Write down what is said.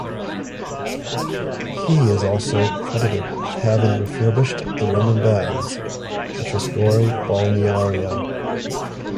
He is also credited with having refurbished the Roman baths at Trescore Balneario.